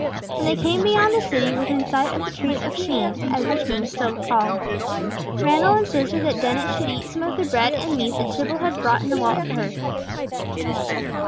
When they came beyond the City, within sight of the trees of Sheen, as Richmond was still often called, Randall insisted that Dennet should eat some of the bread and meat that Tibble had brought in a wallet for her.